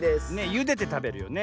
ゆでてたべるよね。